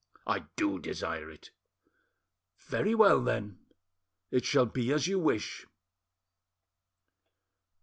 "I do desire it." "Very well, then; it shall be as you wish."